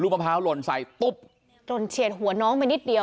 มะพร้าวหล่นใส่ตุ๊บหล่นเฉียดหัวน้องไปนิดเดียว